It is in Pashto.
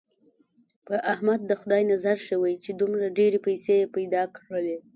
په احمد د خدای نظر شوی، چې دومره ډېرې پیسې یې پیدا کړلې.